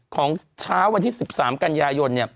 ของเช้าวันที่๑๓กันยายน